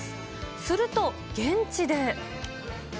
すると、現地で。